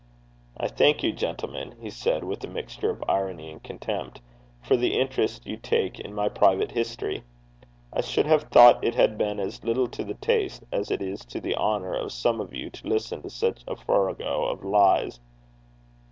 'I thank you, gentleman,' he said, with a mixture of irony and contempt, 'for the interest you take in my private history. I should have thought it had been as little to the taste as it is to the honour of some of you to listen to such a farrago of lies.'